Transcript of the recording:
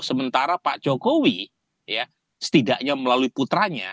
sementara pak jokowi setidaknya melalui putranya